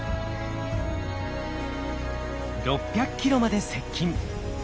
６００キロまで接近。